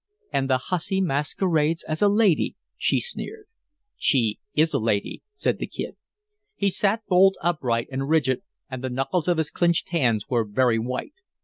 "And the hussy masquerades as a lady," she sneered. "She IS a lady," said the Kid. He sat bolt upright and rigid, and the knuckles of his clinched hands were very white.